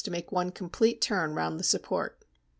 to make one complete turn round the support.